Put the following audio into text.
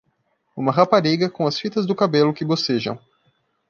Uma rapariga com as fitas do cabelo que bocejam.